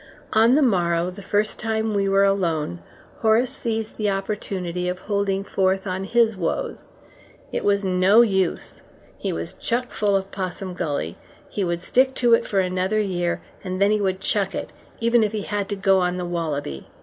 On the morrow, the first time we were alone, Horace seized the opportunity of holding forth on his woes. It was no use, he was choke full of Possum Gully: he would stick to it for another year, and then he would chuck it, even if he had to go on the wallaby.